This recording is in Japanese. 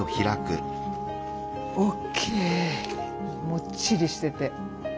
もっちりしてて。